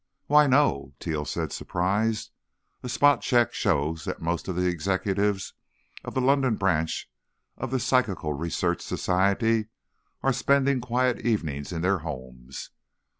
"Why, no," Teal said, surprised. "A spot check shows that most of the executives of the London branch of the Psychical Research Society are spending quiet evenings in their homes.